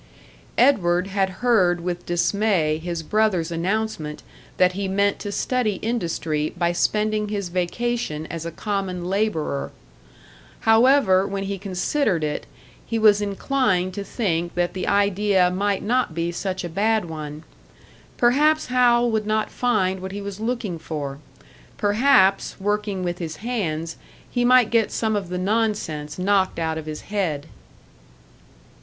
Edward had heard with dismay his brother's announcement that he meant to study industry by spending his vacation as a common labourer. However, when he considered it, he was inclined to think that the idea might not be such a bad one. Perhaps Hal would not find what he was looking for; perhaps, working with his hands, he might get some of the nonsense knocked out of his head!